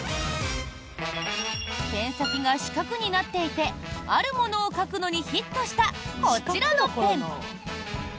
ペン先が四角になっていてあるものを描くのにヒットしたこちらのペン。